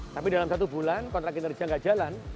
tapi dalam satu bulan kontrak kinerja nggak jalan